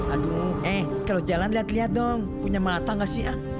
aduh eh kalo jalan liat liat dong punya mata gak sih